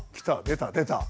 出た出た。